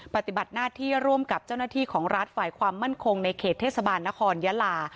ปฏิบัติหน้าที่ร่วมกับเจ้าหน้าที่ของรัฐฝ่ายความมั่นคงในเขตเทศบาลนครยะลา